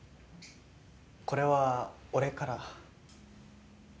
これは俺から。